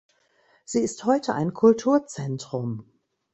Sie ist heute ein Kulturzentrum.